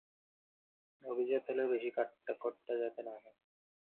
অভিজাত হলেও বেশি কাঠখোট্টা যাতে না হয়।